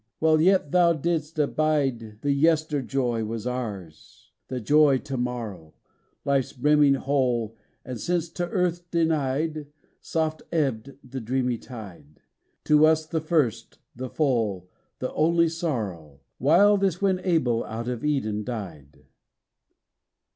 while yet thou didst abide The yester joy was ours, the joy to morrow, Life's brimming whole: and since to earth denied, Soft ebbed thy dreamy tide, To us the first, the full, the only sorrow, Wild as when Abel out of Eden died.